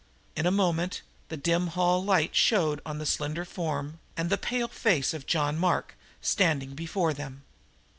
In a moment the dim hall light showed on the slender form and the pale face of John Mark standing before them.